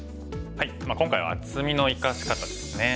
今回は厚みの生かし方ですね。